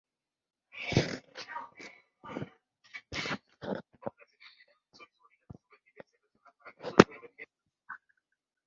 Two broad categories of aggression are commonly distinguished.